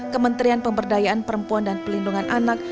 kementerian pemberdayaan perempuan dan pelindungan anak